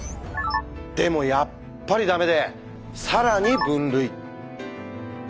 でもやっぱり駄目で更に分類。